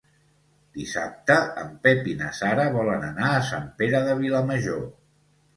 Dissabte en Pep i na Sara volen anar a Sant Pere de Vilamajor.